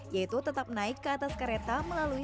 yaitu tetap naik ke atas kereta melalui